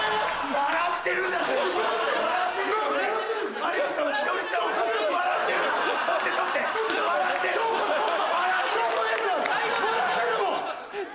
笑ってるもん！